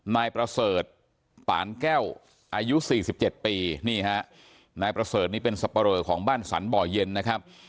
นายประเสริฐปานแก้วอายุ๔๗ปีนี่ฮะนายประเสริฐนี่เป็นสับปะเรอของบ้านสรรบ่อเย็นนะครับ